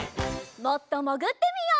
もっともぐってみよう。